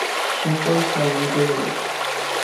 Shekhar sir জিতে গেল!